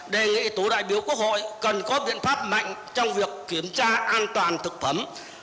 đề nghị tổ đại biểu quốc hội cần có biện pháp mạnh trong việc kiểm tra an toàn thực phẩm